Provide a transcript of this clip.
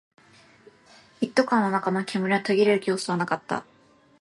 一斗缶の中の煙は途切れる様子はなかった